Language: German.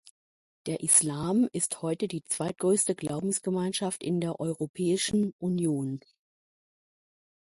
Der Islam ist heute die zweitgrößte Glaubensgemeinschaft in der Europäischen Union.